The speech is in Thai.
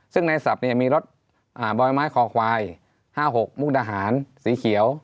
ซึ่งในศัพท์เนี้ยมีรถอ่าบอยไม้คอควายห้าหกมุกดาหารสีเขียว